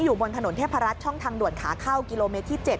บนถนนเทพรัฐช่องทางด่วนขาเข้ากิโลเมตรที่๗